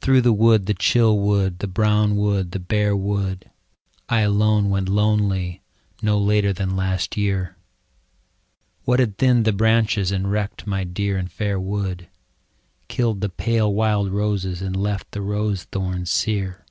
Through the wood, the chill wood, the brown wood, the bare wood, I alone went lonely no later than last year, What had thinned the branches, and wrecked my dear and fair wood. Killed the pale wild roses and left the rose thorns sere